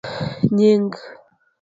Nying'.